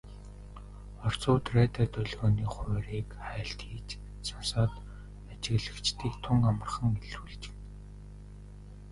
Оросууд радио долгионы хуваарийг хайлт хийж сонсоод ажиглагчдыг тун амархан илрүүлчихнэ.